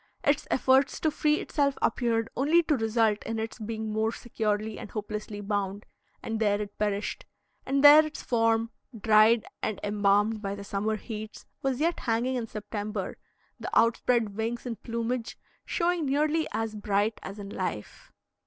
Its efforts to free itself appeared only to result in its being more securely and hopelessly bound; and there it perished; and there its form, dried and embalmed by the summer heats, was yet hanging in September, the outspread wings and plumage showing nearly as bright as in life.